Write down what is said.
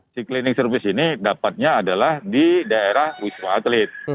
si clinik service ini dapatnya adalah di daerah wisma atlet